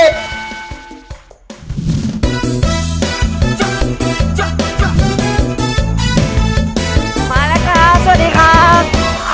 มาแล้วครับสวัสดีครับ